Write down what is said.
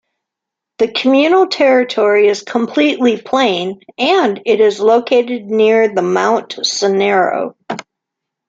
The communal territory is completely plain, and it is located near the Mount Conero.